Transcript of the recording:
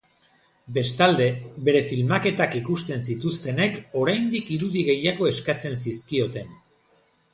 Bestalde, bere filmaketak ikusten zituztenek oraindik irudi gehiago eskatzen zizkioten.